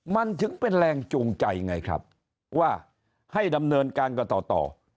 มันถึงเป็นแรงจูงใจไงครับว่าให้ดำเนินการกันต่อ